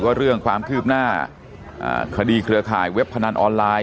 เรื่องความคืบหน้าคดีเครือข่ายเว็บพนันออนไลน์